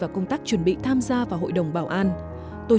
xin chào và hẹn gặp lại